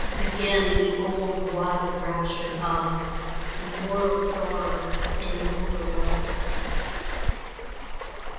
again the old, wild rapture of Immortal sorrow and immortal love.